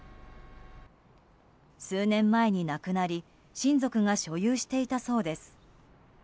数年前に亡くなり親族が所有していたそうです。